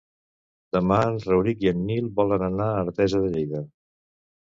Demà en Rauric i en Nil volen anar a Artesa de Lleida.